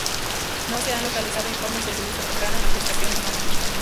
No se han localizado informes de su uso temprano en la gestación humana.